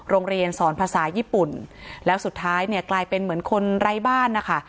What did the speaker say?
โรงเรียนสอนภาษาญี่ปุ่นแล้วสุดท้ายเนี่ยกลายเป็นเหมือนคนไร้บ้านนะคะ